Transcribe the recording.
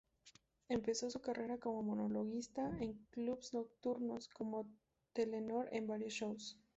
Empezó su carrera como monologuista en clubs nocturnos, como telonero en varios shows.